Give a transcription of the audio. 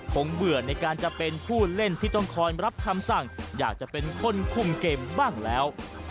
เบื่อในการจะเป็นผู้เล่นที่ต้องคอยรับคำสั่งอยากจะเป็นคนคุมเกมบ้างแล้ว